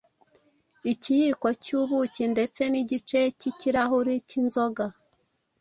ikiyiko cy’ubuki ndetse n’igice cy’ikirahure cy’inzoga